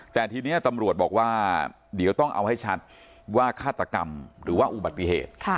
แต่ทีนี้ตำรวจบอกว่าเดี๋ยวต้องเอาให้ชัดว่าฆาตกรรมหรือว่าอุบัติเหตุ